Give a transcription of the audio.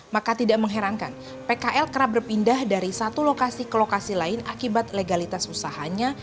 maka tidak mengherankan pkl kerap berpindah dari satu lokasi ke lokasi lain akibat legalitas usahanya